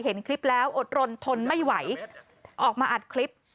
เห็นคลิปแล้วอดรนทนไม่ไหวออกมาอัดคลิป